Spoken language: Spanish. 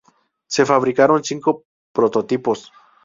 Se fabricaron cinco prototipos.